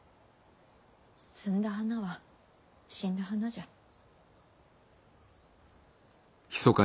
摘んだ花は死んだ花じゃ。